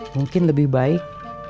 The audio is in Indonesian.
mungkin lebih baik